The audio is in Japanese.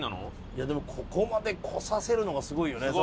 いやでもここまで来させるのがすごいよね。